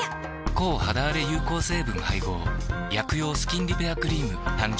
抗肌あれ有効成分配合薬用スキンリペアクリーム誕生